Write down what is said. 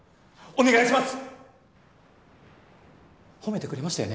お願いします。